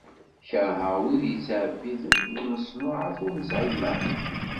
Kerheɣ wid yettɛebbiden lmeṣnuɛat ur nesɛi lmeɛna.